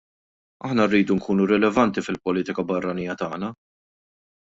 Aħna rridu nkunu rilevanti fil-politika barranija tagħna.